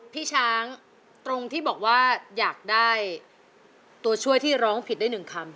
พี่ช้างตรงที่บอกว่าอยากได้ตัวช่วยที่ร้องผิดได้หนึ่งคำ